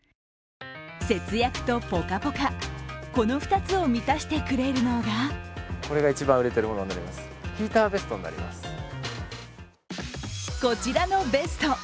節約とぽかぽか、この２つを満たしてくれるのがこちらのベスト。